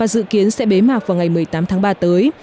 tới mạc vào ngày một mươi tám tháng ba tới